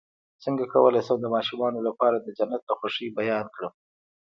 څنګه کولی شم د ماشومانو لپاره د جنت د خوښۍ بیان کړم